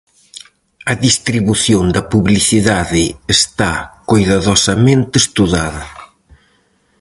A distribución da publicidade está coidadosamente estudada.